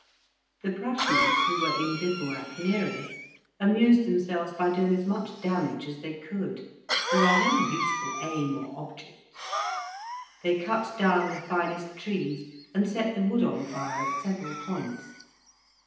The Prussians, who were in bivouac near us, amused themselves by doing as much damage as they could, without any useful aim or object: they cut down the finest trees, and set the wood on fire at several points.